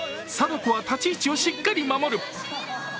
貞子は立ち位置をしっかり守る。